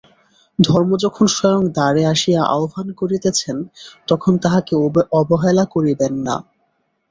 ধর্ম যখন স্বয়ং দ্বারে আসিয়া আহ্বান করিতেছেন তখন তাঁহাকে অবহেলা করিবেন না।